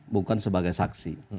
bukan sebagai saksi